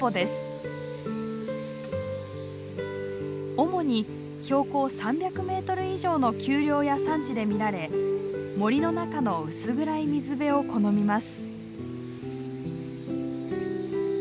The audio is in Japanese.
主に標高３００メートル以上の丘陵や山地で見られ森の中の薄暗い水辺を好みます。